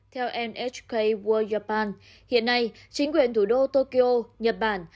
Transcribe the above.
theo nhk world japan hiện nay chính quyền thủ đô tokyo nhật bản